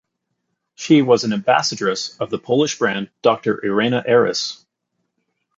She was an ambassadress of the Polish brand "Doctor Irena Eris".